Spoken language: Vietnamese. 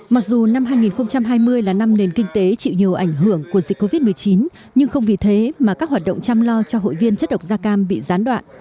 mặc dù năm hai nghìn hai mươi là năm nền kinh tế chịu nhiều ảnh hưởng của dịch covid một mươi chín nhưng không vì thế mà các hoạt động chăm lo cho hội viên chất độc da cam bị gián đoạn